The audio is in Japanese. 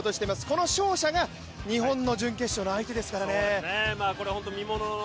この勝者が日本の準決勝の相手ですからね。